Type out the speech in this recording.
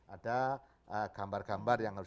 ada gambar gambar yang harus